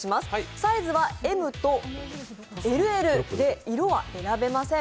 サイズはＭとＬＬで色は選べません。